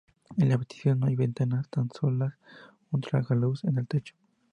En la habitación no hay ventanas, tan solo un tragaluz en el techo.